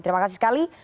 terima kasih sekali